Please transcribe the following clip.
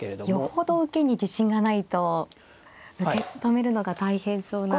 よほど受けに自信がないと受け止めるのが大変そうな。